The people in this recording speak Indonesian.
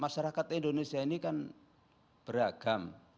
masyarakat indonesia ini kan beragam